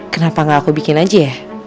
kenapa gak aku bikin aja ya